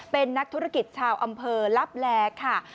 เป็นนักธุรกิจชาวอำเภอลับแลค่ะ